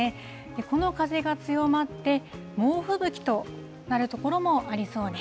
この風が強まって、猛吹雪となる所もありそうです。